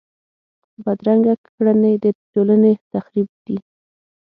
بدرنګه کړنې د ټولنې تخریب دي